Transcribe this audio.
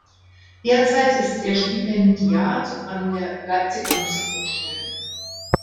Derzeit ist er Stipendiat an der Leipziger Musikhochschule.